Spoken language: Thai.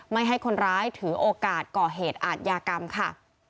ไม่ให้คนร้ายถือโอกาสก่อเหตุอาทยากรรมค่ะ